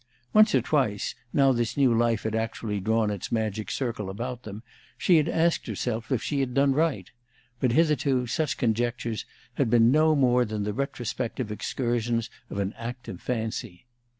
Once or twice, now that this new life had actually drawn its magic circle about them, she had asked herself if she had done right; but hitherto such conjectures had been no more than the retrospective excursions of an active fancy.